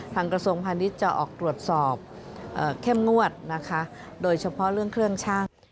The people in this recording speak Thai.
ทางกระทรงพนิษฐ์จะออกตรวจสอบเข้มงวดโดยเฉพาะเรื่องเครื่องชั่ง